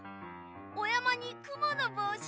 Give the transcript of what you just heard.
おやまにくものぼうし！